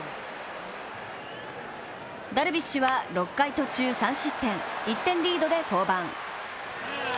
ダルビッシュは６回途中３失点、１点リードで降板。